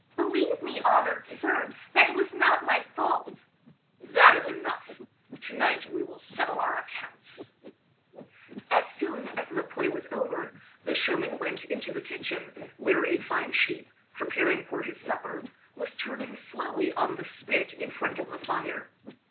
"Believe me, honored sir, that it was not my fault!" "That is enough! To night we will settle our accounts." As soon as the play was over the showman went into the kitchen where a fine sheep, preparing for his supper, was turning slowly on the spit in front of the fire.